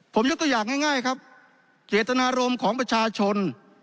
ผมยกตัวอย่างง่ายครับเจตนารมณ์ของประชาชน